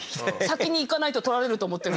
先にいかないと取られると思って。